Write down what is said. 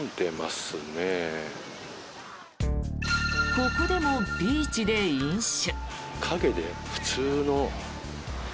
ここでもビーチで飲酒。